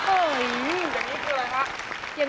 โอ๊ย